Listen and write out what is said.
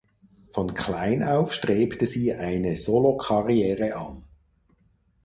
Von klein auf strebte sie eine Solokarriere an.